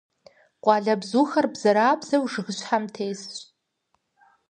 Къуалэбзухэр бзэрабзэу жыгыщхьэм тесщ.